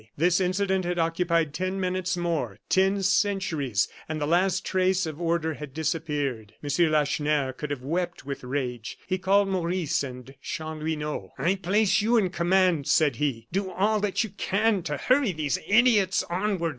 This incident had occupied ten minutes more ten centuries and the last trace of order had disappeared. M. Lacheneur could have wept with rage. He called Maurice and Chanlouineau. "I place you in command," said he; "do all that you can to hurry these idiots onward.